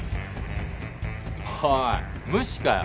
おい無視かよ？